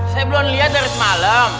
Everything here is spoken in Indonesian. saya belum lihat dari semalam